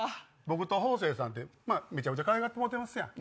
僕と方正さんってめちゃくちゃかわいがってもらってますやん。